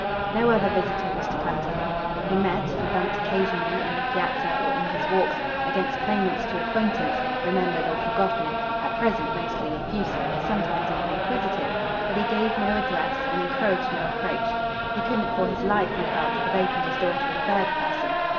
No other visitor was to come to him; he met, he bumped occasionally, in the Piazza or in his walks, against claimants to acquaintance, remembered or forgotten, at present mostly effusive, sometimes even inquisitive; but he gave no address and encouraged no approach; he couldn't for his life, he felt, have opened his door to a third person.